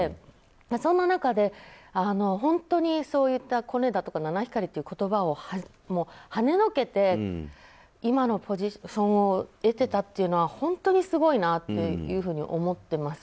そんな中で、本当にそういったコネだとか七光りだという言葉をはねのけて今のポジションを得てたというのは本当にすごいなっていうふうに思ってます。